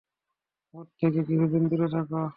হ্রদ থেকে কিছুদিন দূরে থাকো।